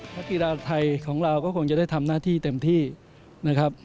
พฤติราศาสตร์ไทยของเราก็คงจะได้ทำหน้าที่เต็มที่นะครับ